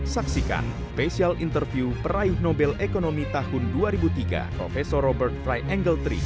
saksikan spesial interview peraih nobel ekonomi tahun dua ribu tiga prof robert fryengel iii